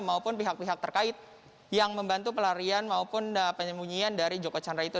maupun pihak pihak terkait yang membantu pelarian maupun penyembunyian dari joko chandra itu